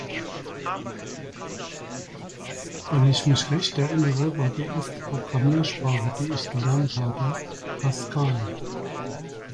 Wenn ich mich recht erinnere, war die erste Programmiersprache, die ich gelernt habe, Pascal.